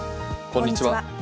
こんにちは。